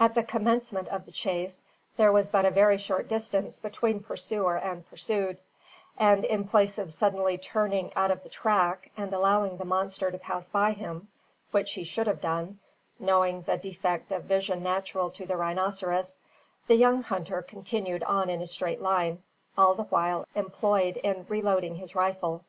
At the commencement of the chase, there was but a very short distance between pursuer and pursued; and in place of suddenly turning out of the track, and allowing the monster to pass by him, which he should have done, knowing the defect of vision natural to the rhinoceros, the young hunter continued on in a straight line, all the while employed in reloading his rifle.